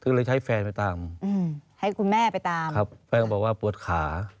คือเลยใช้แฟนไปตามอืมให้คุณแม่ไปตามครับแฟนก็บอกว่าปวดขา